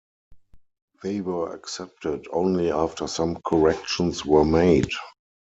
They were accepted only after some corrections were made.